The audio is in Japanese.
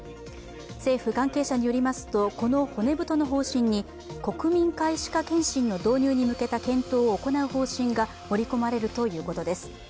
政府関係者によりますと、この骨太の方針に国民皆歯科検診の導入に向けた検討を行う方針が盛り込まれるということです。